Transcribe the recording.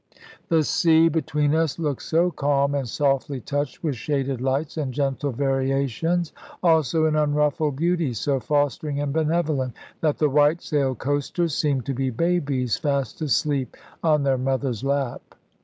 The sea between us looked so calm, and softly touched with shaded lights and gentle variations, also in unruffled beauty so fostering and benevolent, that the white sailed coasters seemed to be babies fast asleep on their mother's lap.